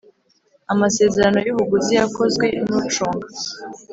Amasezerano y ubuguzi yakozwe n ucunga